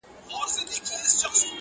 دا خو ورور مي دی بې حده حرامخوره,